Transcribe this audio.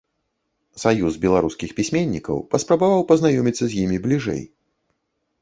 Саюз беларускіх пісьменнікаў паспрабаваў пазнаёміцца з імі бліжэй.